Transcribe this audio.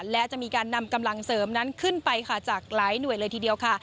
และจะมีการนำกำลังเสริมนั้นขึ้นไปค่ะจากหลายหน่วยเลยทีเดียวค่ะ